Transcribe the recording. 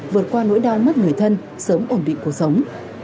vượt qua nỗi đau mất người thân sớm ổn định cuộc sống